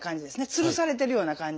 つるされてるような感じ。